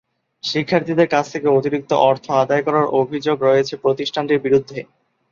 শিক্ষার্থীদের কাছ থেকে অতিরিক্ত অর্থ আদায় করার অভিযোগ রয়েছে প্রতিষ্ঠানটির বিরুদ্ধে।